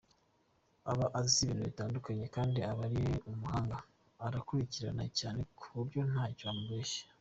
Aba azi ibintu bitandukanye kandi aba ari umuhanga, arakukirikira cyane ku buryo ntacyo wamubeshya.